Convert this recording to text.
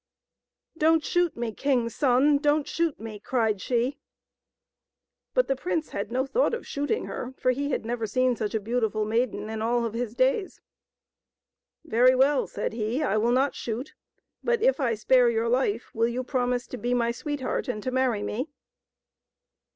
" Don't shoot me, king's son 1 Don't shoot me !" cried she. But the prince had no thought of shooting her, for he had never seen such a beautiful maiden in all of his days. " Very well," said he, " I will not shoot, but, if I spare your life, will you promise to be my sweetheart and to marry me